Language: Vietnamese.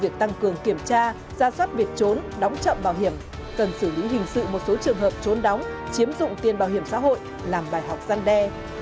việc tăng cường kiểm tra ra soát việc trốn đóng chậm bảo hiểm cần xử lý hình sự một số trường hợp trốn đóng chiếm dụng tiền bảo hiểm xã hội làm bài học dân đe